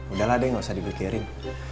udahlah deh nggak usah dipikirin